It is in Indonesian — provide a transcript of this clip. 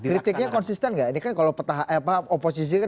kritiknya konsisten gak ini kan kalau peta apa oposisi kan pasti kritik gitu kan